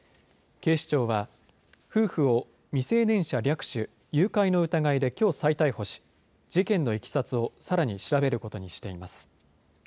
警視庁は、夫婦を未成年者略取・誘拐の疑いできょう再逮捕し、事件のいきさつをさらに調べることにしています。